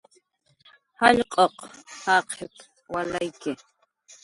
"Jallq'uq jaqip"" walayki"